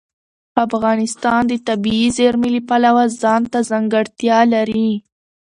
افغانستان د طبیعي زیرمې د پلوه ځانته ځانګړتیا لري.